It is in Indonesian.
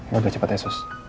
yaudah cepet ya sus